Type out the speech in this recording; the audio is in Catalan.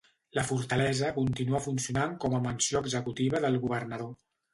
La fortalesa continua funcionant com a mansió executiva del governador.